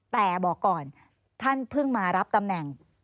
แต่บอกก่อนท่านเพิ่งมารับตำแหน่ง